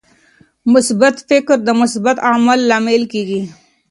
مثبت فکر د مثبت عمل لامل کیږي.